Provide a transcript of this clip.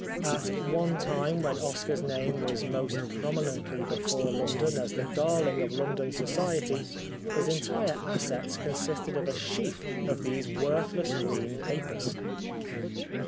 At one time when Oscar's name was most prominently before London as the darling of London society his entire assets consisted of a sheaf of these worth less green papers.